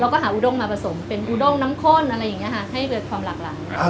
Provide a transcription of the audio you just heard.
แล้วก็หาอุดมมาผสมเป็นอุดมน้ำโค้นอะไรอย่างเงี้ยฮะให้เวิร์ดความหลากหลายอ่า